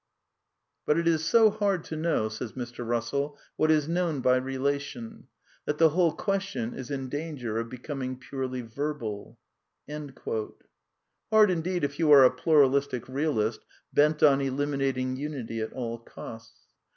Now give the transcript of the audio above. ''But it is so hard to know what is meant by relation, that the whole question is in danger of becoming purely verbal" {Principia Mathematica, p. 49.) Hard, indeed, if you are a pluralistic realist bent on eliminating unity at all costs.